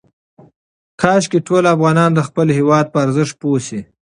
کاشکې ټول افغانان د خپل هېواد په ارزښت پوه شي.